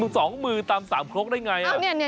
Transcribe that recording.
สองมือตามสามครกได้ไง